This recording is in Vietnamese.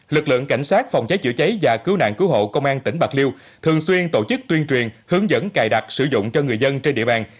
lực lượng cảnh sát phòng cháy chữa cháy và cứu nạn cứu hộ công an tỉnh bạc liêu thường xuyên tổ chức tuyên truyền hướng dẫn cài đặt sử dụng cho người dân trên địa bàn